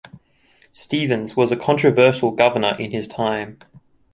Stevens was a controversial governor in his time.